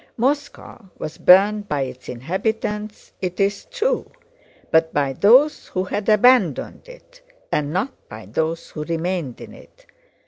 Moscow was burned by its inhabitants, it is true, but by those who had abandoned it and not by those who remained in it.